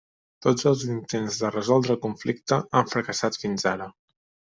Tots els intents de resoldre el conflicte han fracassat fins ara.